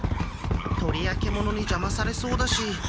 鳥やケモノにじゃまされそうだし。